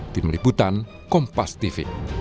di meliputan kompas tv